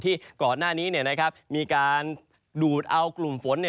ที่ก่อนหน้านี้มีการดูดเอากลุ่มฝน